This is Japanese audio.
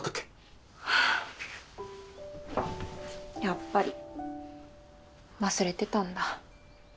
やっぱり忘れてたんだ。